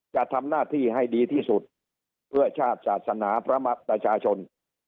จะทำหน้าที่ให้ดีที่สุดเพื่อชาติศาสนาพระมับประชาชน